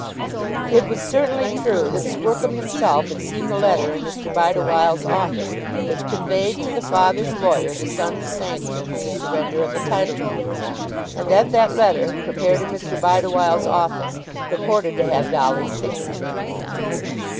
It was certainly true that Squercum himself had seen the letter in Mr. Bideawhile's office which conveyed to the father's lawyer the son's sanction for the surrender of the title deeds, and that that letter, prepared in Mr. Bideawhile's office, purported to have Dolly's signature.